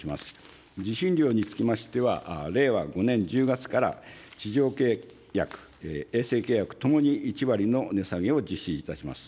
受信料につきましては、令和５年１０月から、地上契約、衛星契約ともに１割の値下げを実施いたします。